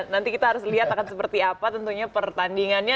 nanti kita harus lihat akan seperti apa tentunya pertandingannya